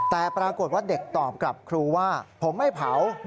แต่ปรากฏว่าเด็กตอบกับครูว่าผมไม่เผา